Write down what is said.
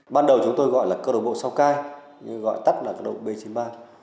ban đầu chúng tôi gọi là câu lạc bộ sau cai nhưng gọi tắt là câu lạc bộ b chín mươi ba